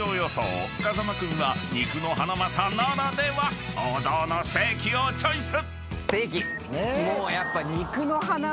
［風間君は肉のハナマサならでは王道のステーキをチョイス！］